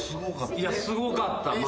すごかった。